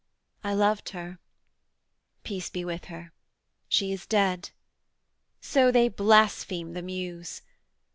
I loved her. Peace be with her. She is dead. So they blaspheme the muse!